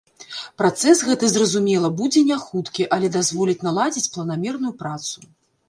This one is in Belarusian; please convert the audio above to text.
Працэс гэты, зразумела, будзе не хуткі, але дазволіць наладзіць планамерную працу.